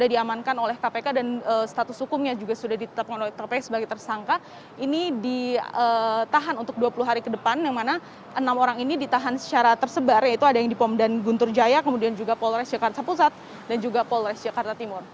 diamankan oleh kpk dan status hukumnya juga sudah ditetapkan sebagai tersangka ini ditahan untuk dua puluh hari ke depan yang mana enam orang ini ditahan secara tersebar yaitu ada yang di pomdan guntur jaya kemudian juga polres jakarta pusat dan juga polres jakarta timur